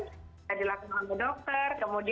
tidak dilakukan oleh dokter